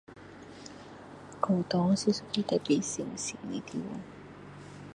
教堂是一个特别神圣的地方